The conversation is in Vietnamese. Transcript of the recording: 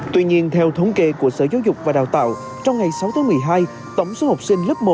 tuy nhiên theo thống kê của sở giáo dục và đào tạo trong ngày sáu tháng một mươi hai tổng số học sinh lớp một